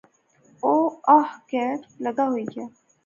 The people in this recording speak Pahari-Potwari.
اہ کہھر لگا ہوئی گیا